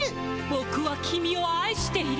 ボクはキミを愛している。